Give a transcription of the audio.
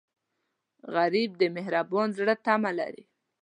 غریب د مهربان زړه تمه لري